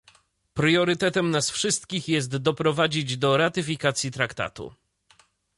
Priorytetem nas wszystkich jest doprowadzić do ratyfikacji Traktatu